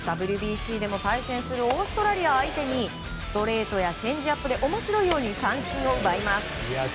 ＷＢＣでも対戦するオーストラリア相手にストレートやチェンジアップで面白いように三振を奪います。